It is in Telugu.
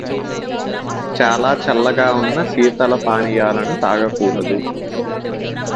చాలా చల్లగా ఉన్న శీతల పానీయాలను తాగకూడదు.